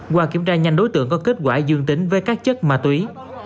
qua kiểm tra nhanh đối tượng có kết quả dương tính với các chất ma túy